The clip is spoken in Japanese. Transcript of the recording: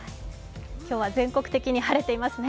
今日は全国的に晴れていますね。